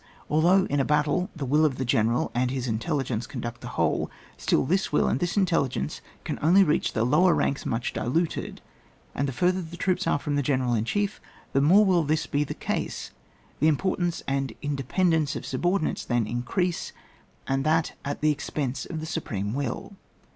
Although in a battle, the will of the general and his intelligence conduct the whole, still this will and this intelli gence can only reach the lower ranks much diluted, and the further the troops are from the general in chief the more will this be the case ; the importance and independence of subordinates then increase, and that at the expense of the supreme will.